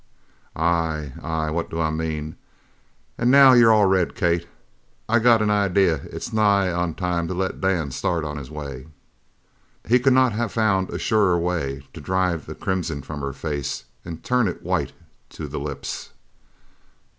"Ay, ay! What do I mean! And now you're all red. Kate, I got an idea it's nigh onto time to let Dan start on his way." He could not have found a surer way to drive the crimson from her face and turn it white to the lips.